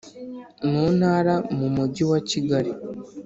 Mu ntara mu mujyi wa kigali